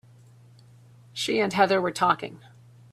She and Heather were talking.